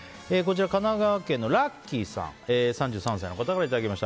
神奈川県の３３歳の方からいただきました。